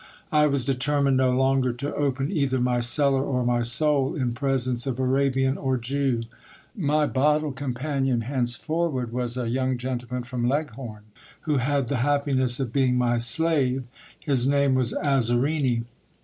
I was determined no longer to open either my cellar or my soul in presence of Arabian or Jew. My bottle com panion henceforward was a young gentleman from Leghorn, who had the happiness of being my slave. His name was Azarini.